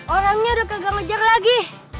orangnya udah kagak ngejar lagi